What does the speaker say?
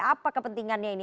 apa kepentingannya ini